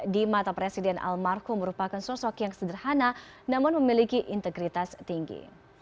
di mata presiden almarhum merupakan sosok yang sederhana namun memiliki integritas tinggi